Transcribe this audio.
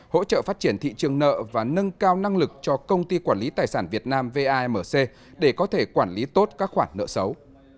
hỗ trợ phát triển thị trường nợ và nâng cao năng lực cho công ty quản lý tài sản việt nam vamc để có thể quản lý tốt các khoản nợ xấu